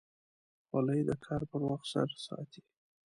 خولۍ د کار پر وخت سر ساتي.